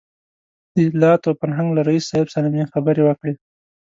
د اطلاعاتو او فرهنګ له رییس صاحب سره مې خبرې وکړې.